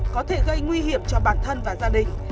có thể gây nguy hiểm cho bản thân và gia đình